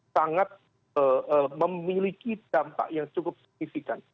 sangat memiliki dampak yang cukup signifikan